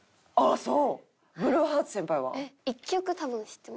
そう。